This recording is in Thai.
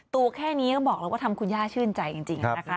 ตูแค่นี้ก็บอกเราว่าทำคุณย่าชื่นใจจริง